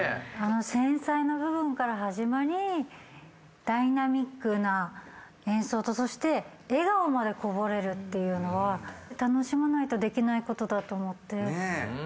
繊細な部分から始まりダイナミックな演奏とそして笑顔までこぼれるっていうのは楽しまないとできないことだと思って。